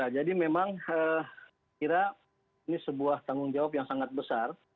jadi memang kira ini sebuah tanggung jawab yang sangat besar